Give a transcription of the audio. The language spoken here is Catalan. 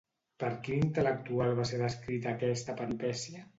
Per quin intel·lectual va ser descrita aquesta peripècia?